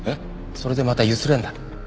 それでまたゆすれんだろ。